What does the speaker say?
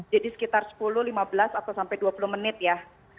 sekitar sepuluh lima belas atau sampai dua puluh menit ya